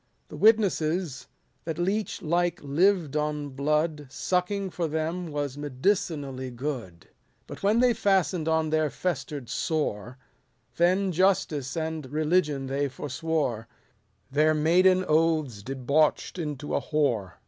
The witnesses, that leech like lived on blood, Sucking for them was medicinally good ; 150 But when they fasten'd on their fester'd sore, Then justice and religion they forswore, Their maiden oaths debauch'd into a whore.